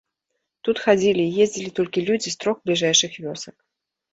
Тут хадзілі і ездзілі толькі людзі з трох бліжэйшых вёсак.